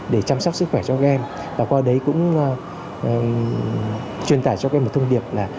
để chăm sóc sức khỏe cho các em và qua đấy cũng truyền tải cho các em một thông điệp là